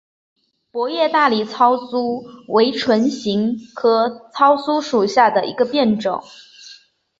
薄叶大理糙苏为唇形科糙苏属下的一个变种。